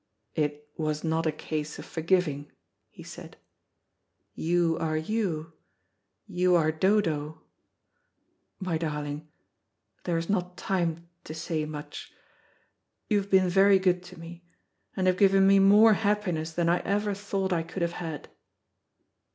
"It was not a case of forgiving," he said. "You are you, you are Dodo. My darling, there is not time to say much. You have been very good to me, and have given me more happiness than I ever thought I could have had."